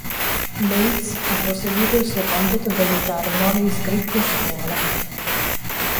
Bates ha proseguito il suo compito di aiutare i nove iscritti a scuola.